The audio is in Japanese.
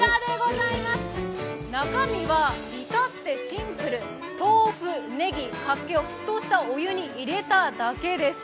中身はいたってシンプル、豆腐、ねぎ、かっけを沸騰したお湯に入れただけです。